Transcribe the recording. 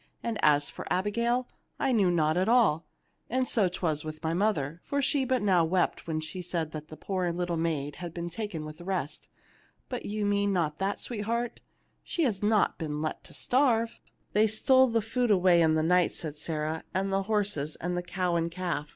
And as for Abigail, I knew naught at all ; and so 'twas with my mother, for she but now wept when she said the poor little maid had been taken with the rest. But you mean not that, sweetheart; she has not been let to starve ?"" They stole away the food in the night," said Sarah, "and the horses and the cow and calf.